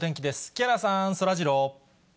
木原さん、そらジロー。